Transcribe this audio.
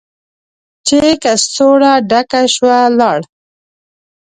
چې کڅوړه ډکه شوه، لاړ.